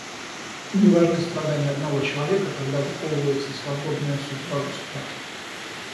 Не важны страдания одного человека, когда выковывается свободная судьба государств.